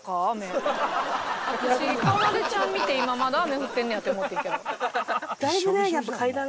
私かなでちゃん見て今まだ雨降ってんねやって思ってんけど。